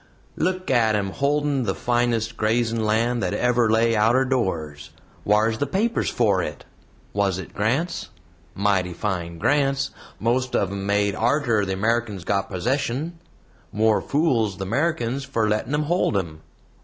"Look at 'em holdin' the finest grazin' land that ever lay outer doors. Whar's the papers for it? Was it grants? Mighty fine grants most of 'em made arter the 'Merrikans got possession. More fools the 'Merrikans for lettin' 'em hold 'em.